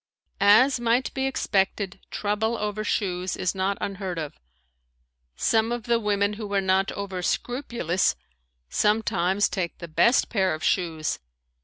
As might be expected trouble over shoes is not unheard of. Some of the women who are not over scrupulous sometimes take the best pair of shoes.